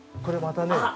これまたね。